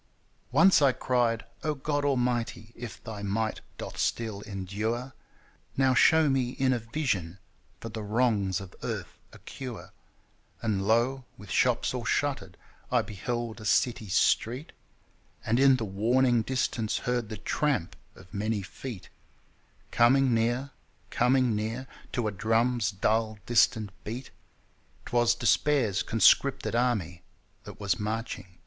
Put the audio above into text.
Once I cried : "O God Almighty ! if Thy might doth still endure. Now show me in a vision for the wrongs of Earth a cure." And, lo, with shops all shuttered I beheld a city's street, And in the warning distance heard the tramp of many feet, Coming near, coming near, To a drum's dull distant beat 'Twas Despair's conscripted army that was marching down the street.